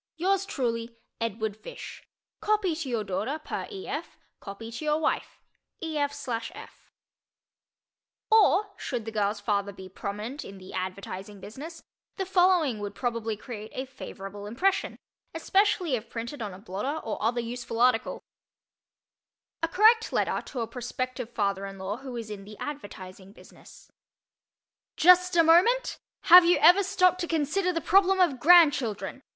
Yours truly, EDWARD FISH. Copy to your Daughter per E. F. """ Wife EF/F Or, should the girl's father be prominent in the advertising business, the following would probably create a favorable impression, especially if printed on a blotter or other useful article: A Correct Letter to a Prospective Father in Law Who Is in the Advertising Business JUST A MOMENT! Have you ever stopped to consider the problem of grandchildren?